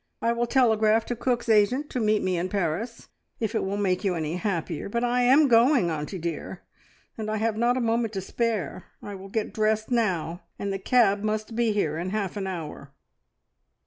I will telegraph to Cook's agent to meet me in Paris, if it will make you any happier, but I am going, auntie dear, and I have not a moment to spare. I will get dressed now, and the cab must be here in half an hour."